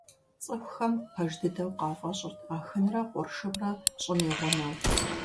ЦӀыхухэм пэж дыдэу къафӀэщӀырт Ахынрэ къуршымрэ ЩӀым и гъунэу.